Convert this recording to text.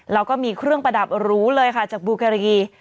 แล้วก็มีเครื่องประดับหรูเลยค่ะจากบูแกรกี